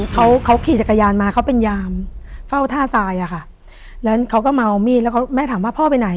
เขาเขาขี่จักรยานมาเขาเป็นยามเฝ้าท่าทรายอ่ะค่ะแล้วเขาก็เมามีดแล้วแม่ถามว่าพ่อไปไหน